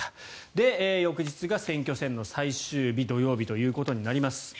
で、翌日が選挙戦の最終日土曜日となります。